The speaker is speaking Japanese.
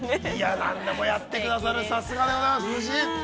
◆何でもやってくださる、さすがでございます、夫人。